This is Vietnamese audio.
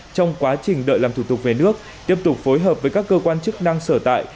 trong quá trình đợi làm thủ tục về nước tiếp tục phối hợp với các cơ quan chức năng sở tại